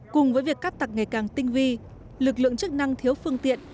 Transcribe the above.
cùng với việc cắt tặc ngày càng tinh vi lực lượng chức năng thiếu phương tiện